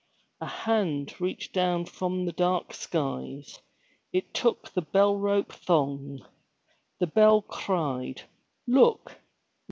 A hand reached down from the dark skies, It took the bell rope thong, The bell cried "Look!